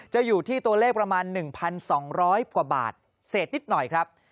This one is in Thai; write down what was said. อยู่ที่ตัวเลขประมาณ๑๒๐๐กว่าบาทเศษนิดหน่อยครับ